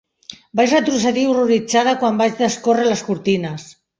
Vaig retrocedir horroritzada quan vaig descórrer les cortines.